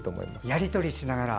やり取りしながら。